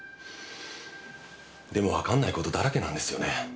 でもわかんない事だらけなんですよね。